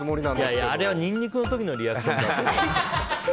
いやいや、あれはニンニクの時のリアクションだよ。